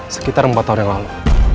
sekitar empat tahun yang lalu